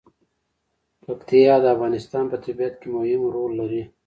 پکتیا د افغانستان په طبیعت کې مهم رول لري.